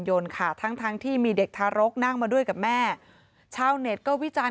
ยนต์ค่ะทั้งทั้งที่มีเด็กทารกนั่งมาด้วยกับแม่ชาวเน็ตก็วิจารณ